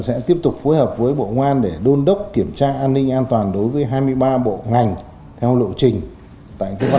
xây dựng cập nhật quản lý dữ liệu địa chỉ số về đất đai nhà ở